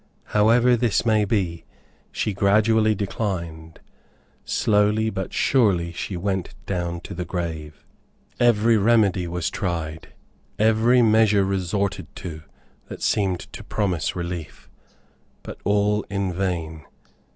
However this may be, she gradually declined. Slowly, but surely she went down to the grave. Every remedy was tried every measure resorted to, that seemed to promise relief, but all in vain.